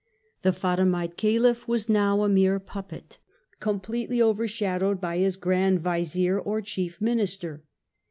The Fatimite Caliph was now a mere puppet, completely overshadowed by his grand vizir, or chief minister.